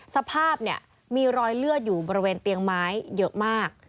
สภาพเนี่ยมีรอยเลือดอยู่บริเวณเตียงไม้เยอะมาก